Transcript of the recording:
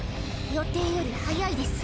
予定より早いです。